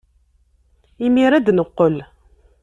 Imir-a ad d-neqqel.